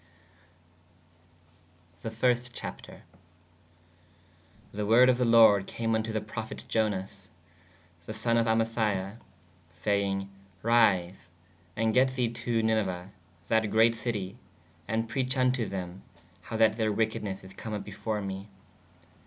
The first Chapter. The worde of the lorde came vn to the prophete Ionas [the] sonne of Amithai sayenge: ryse & gett the to Niniue that greate citie & preach vn to thē/ how that theyr wekednesse is come vpp before me.